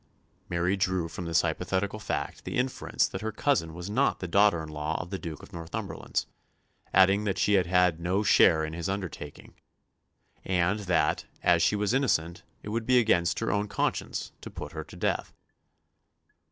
Mary drew from this hypothetical fact the inference that her cousin was not the daughter in law of the Duke of Northumberland's, adding that she had had no share in his undertaking, and that, as she was innocent, it would be against her own conscience to put her to death.